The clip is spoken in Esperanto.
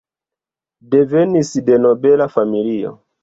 Devenis de nobela familio.